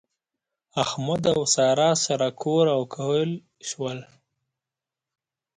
احمد او سارا سره کور او کهول شول.